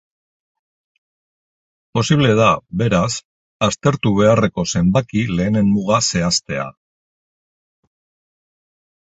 Posiblea da, beraz, aztertu beharreko zenbaki lehenen muga zehaztea.